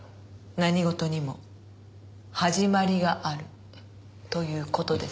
何事にも始まりがあるという事です。